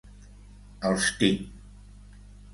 Els tinc!